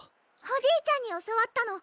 おじいちゃんにおそわったの。